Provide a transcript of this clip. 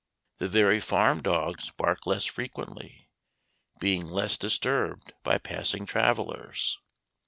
The very farm dogs bark less frequently, being less disturbed by passing travellers.